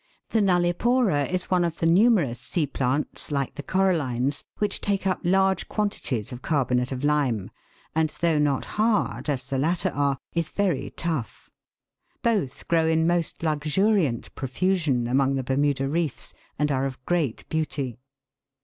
The nullipora is one of the numerous sea plants, like the corallines, which take up large quantities of carbonate of lime, and though not hard, as the latter are, is very tough. Both grow in most luxuriant profusion among the Bermuda reefs, and are of ^reat beauty.